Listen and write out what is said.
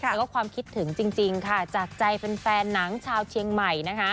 แล้วก็ความคิดถึงจริงค่ะจากใจแฟนหนังชาวเชียงใหม่นะคะ